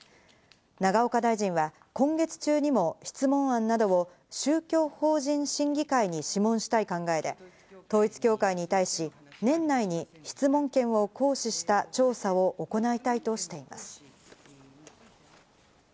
永岡大臣は今月中にも質問案などを宗教法人審議会に諮問したい考えで、統一教会に対し、年内に質問権を行使した調査を行いたいとしています。